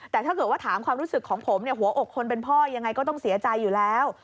แต่ถ้าเกิดว่าถามความรู้สึกของผมเนี่ยหัวอกคนเป็นพ่อยังไงก็ต้องเสียใจอยู่แล้ว